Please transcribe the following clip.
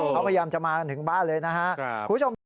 เขาพยายามจะมากันถึงบ้านเลยนะครับ